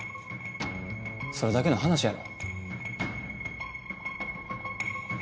それだけの話やろ。